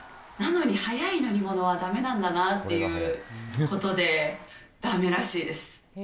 なのに速い乗り物はだめなんだなっていうことで、だめらしいです。